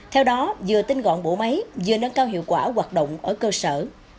theo đó vừa tinh gọn bộ máy vừa nâng cao hiệu quả hoạt động ở cơ sở